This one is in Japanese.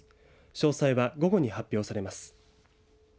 詳細は午後に発表されます。